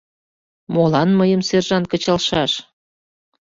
Молан мыйым сержант кычалшаш?